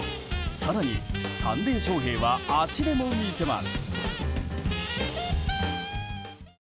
更にサンデーショーヘイは足でも見せます。